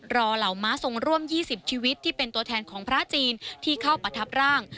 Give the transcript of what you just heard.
เหล่าม้าทรงร่วม๒๐ชีวิตที่เป็นตัวแทนของพระจีนที่เข้าประทับร่าง